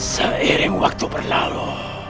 seiring waktu berlalu